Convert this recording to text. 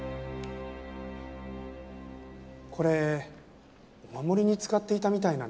これお守りに使っていたみたいなんです。